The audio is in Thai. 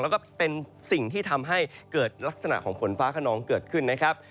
แล้วก็เป็นสิ่งที่ทำให้เกิดลักษณะของฝนฟ้าขนองเกิดขึ้นนะครับ